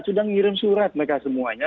sudah ngirim surat mereka semuanya